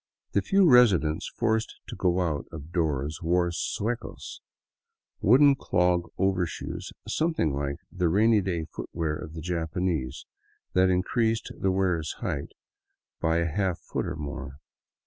The few residents forced to go out of doors wore suecos, wooden clog overshoes something like the rainy day footwear of the Japanese, that increased the wearer's height by a half foot or more.